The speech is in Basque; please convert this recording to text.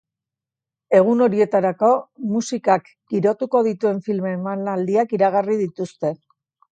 Egun horietarako musikak girotuko dituen film emanaldiak iragarri dituzte.